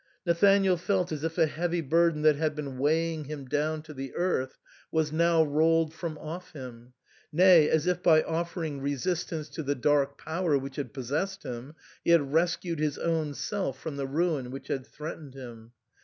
Nathanael felt as if a heavy burden that had been weighing him down to the earth was now rolled from off him, nay, as if by offering resistance to the dark power which had possessed him, he had rescued his own self from the ruin which had threatened him.